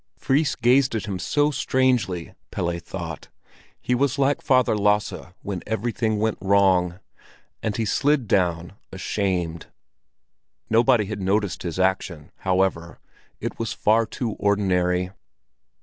Fris gazed at him so strangely, Pelle thought; he was like Father Lasse when everything went wrong; and he slid down, ashamed. Nobody had noticed his action, however; it was far too ordinary.